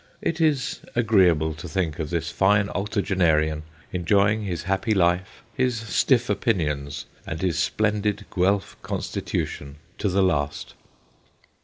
It is agreeable to think of this fine octogenarian, enjoying his happy life, his stiff opinions, and his splendid Guelph constitution to the last.